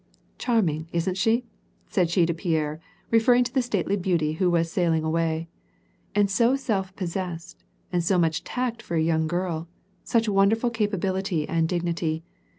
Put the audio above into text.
"Charming! isn't she?" said she to Pierre, referring to the stately beauty who was sailing away. "And so self possessed, and so much tact for a young girl, such wonderful capability and dignity.